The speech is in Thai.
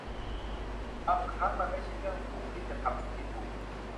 บางครั้งมันไม่ใช่เรื่องถูกที่จะทำสิ่งที่ถูก